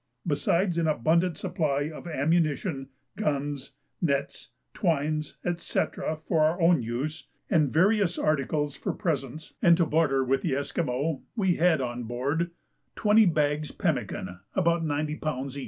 Besides an abundant supply of ammunition, guns, nets, twines, &c. for our own use, and various articles for presents and to barter with the Esquimaux, we had on board 20 bags pemmican, about 90 lbs.